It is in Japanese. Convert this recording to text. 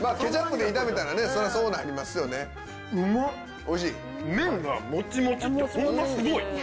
おいしい？